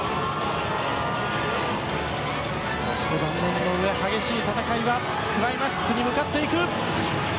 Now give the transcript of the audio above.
そして激しい戦いはクライマックスに向かっていく。